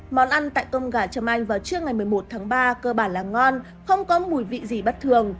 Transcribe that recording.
món ăn tại tôm gà trâm anh vào trưa ngày một mươi một tháng ba cơ bản là ngon không có mùi vị gì bất thường